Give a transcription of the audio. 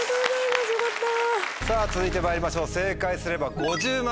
さぁ続いてまいりましょう正解すれば５０万円です。